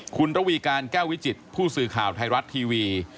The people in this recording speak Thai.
คุณระวีการแก้ววิจิตผู้สื่อข่าวไทยรัฐทีวี